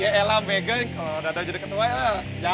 ya elah megan kalau dado jadi ketua ya elah